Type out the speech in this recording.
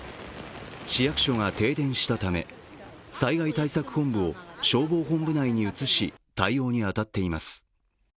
市役所が停電したため、災害対策本部を消防本部内に移し対応に当たっています。